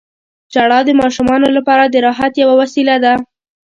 • ژړا د ماشومانو لپاره د راحت یوه وسیله ده.